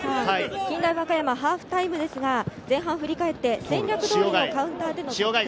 近大和歌山、ハーフタイムですが、前半を振り返って、全力投球のカウンターでの。